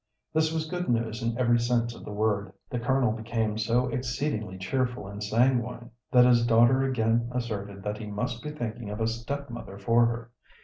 This was good news in every sense of the word. The Colonel became so exceedingly cheerful and sanguine, that his daughter again asserted that he must be thinking of a stepmother for her.